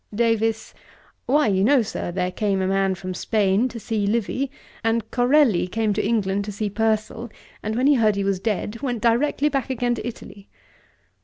DAVIES. 'Why, you know, Sir, there came a man from Spain to see Livy; and Corelli came to England to see Purcell, and when he heard he was dead, went directly back again to Italy.'